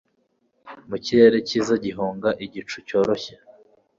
Mu kirere cyiza gihunga igicu cyoroshye